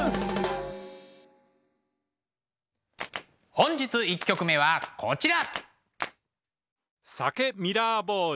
本日１曲目はこちら。